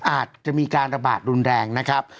อาจจะมีการระบาดรุนแรงนะครับ